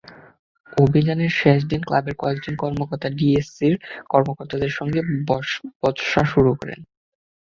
অভিযানের শেষ দিকে ক্লাবের কয়েকজন কর্মকর্তা ডিএসসিসির কর্মকর্তাদের সঙ্গে বচসা শুরু করেন।